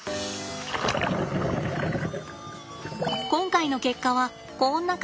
今回の結果はこんな感じです。